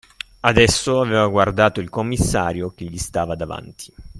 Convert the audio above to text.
Adesso, aveva guardato il commissario, che gli stava davanti.